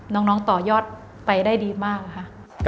น้องต่อยอดไปได้ดีมากค่ะ